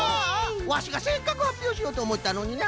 ワシがせっかくはっぴょうしようとおもったのにな。